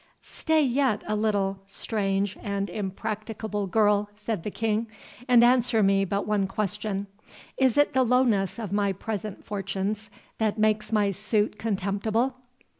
"Stay yet a little, strange and impracticable girl," said the King; "and answer me but one question:—Is it the lowness of my present fortunes that makes my suit contemptible?"